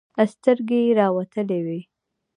سترگې يې راوتلې وې.